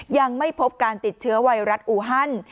ยังไม่พบการติดเชื้อไวรัสอูฮัน